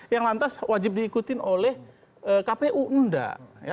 yang lantas wajib diikuti oleh kpu enggak